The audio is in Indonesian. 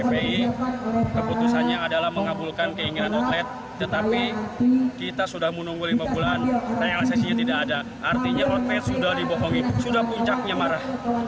jadi keputusannya adalah mengabulkan keinginan outlet tetapi kita sudah menunggu lima bulan reaksesinya tidak ada artinya outlet sudah dibohongi sudah puncaknya marah